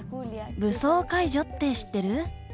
武装解除って知ってる？